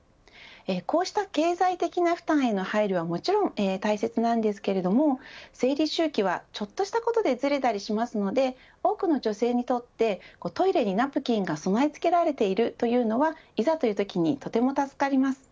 こうした経済的な負担への配慮はもちろん大切なんですけれども生理周期はちょっとしたことでずれたりしますので多くの女性にとって、トイレにナプキンが備え付けられているというのはいざというときにとても助かります。